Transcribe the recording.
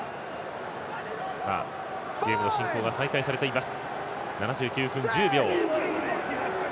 ゲームの進行が再開されています。